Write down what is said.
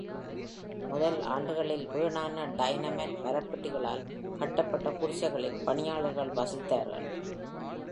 முதல் ஆண்டுகளில், வீணான டைனமைட் மரப்பெட்டிகளால் கட்டப்பட்ட குடிசைகளில் பணியாளர்கள் வசித்தார்கள்.